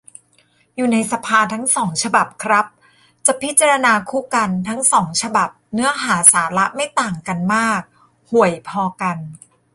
อยู่ในสภาทั้งสองฉบับครับ จะพิจารณาคู่กัน ทั้งสองฉบับเนื้อหาสาระไม่ต่างกันมาก ห่วยพอกัน